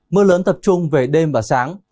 mưa lớn tập trung về đêm và sáng